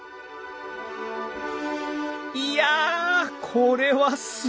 いやこれはすごい。